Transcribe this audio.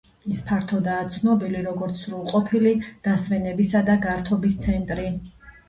ის ფართოდაა ცნობილი, როგორც სრულყოფილი დასვენებისა და გართობის ცენტრი.